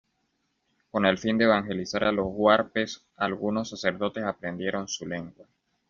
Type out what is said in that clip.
Con el fin de evangelizar a los huarpes algunos sacerdotes aprendieron su lengua.